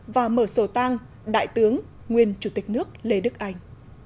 và mở sổ tang đại tướng nguyên chủ tịch nước lê đức anh